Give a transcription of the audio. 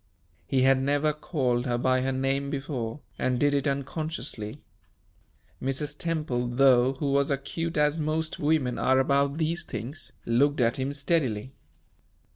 He had never called her by her name before, and did it unconsciously. Mrs. Temple, though, who was acute as most women are about these things, looked at him steadily.